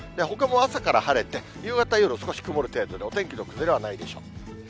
ほかも朝から晴れて、夕方、夜、少し曇る程度で、お天気の崩れはないでしょう。